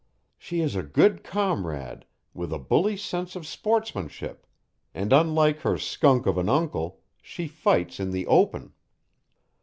She is a good comrade with a bully sense of sportsmanship, and unlike her skunk of an uncle, she fights in the open.